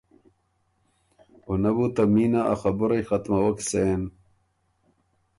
او نۀ بو ته مینه ا خبُرئ ختمَوَک سېن۔